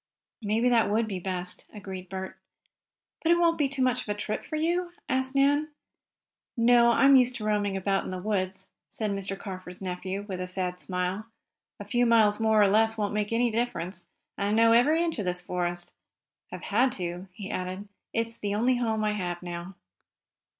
"Maybe that would be best," agreed Bert. "But won't it be too much of a trip for you?" asked Nan. "No, I'm used to roaming about the woods," said Mr. Carford's nephew, with a sad smile. "A few miles more or less won't make any difference, and I know every inch of this forest. I've had to," he added. "It's the only home I have now."